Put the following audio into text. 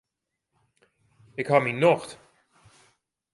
Ik ha myn nocht.